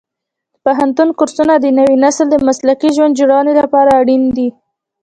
د پوهنتون کورسونه د نوي نسل د مسلکي ژوند جوړونې لپاره اړین دي.